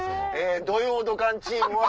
土曜ドカンッ‼チームは。